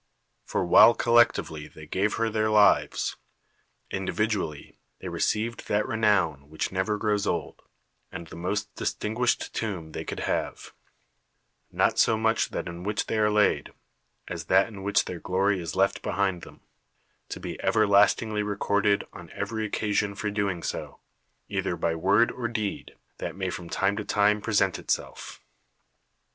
For while collectively they gave her their lives, individually they received that renown which never grows old, and the most distinguished tomb they could have ; not so much that in which they are laid, as that in which their glory is left be hind them, to be everlastingly recorded on every occasion for doing so, either by word or deed, that may from time to time present itself.